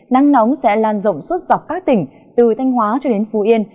nắng nóng sẽ lan rộng suốt dọc các tỉnh từ thanh hóa cho đến phú yên